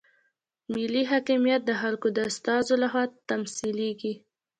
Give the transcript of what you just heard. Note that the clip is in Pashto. ملي حاکمیت د خلکو د استازو لخوا تمثیلیږي.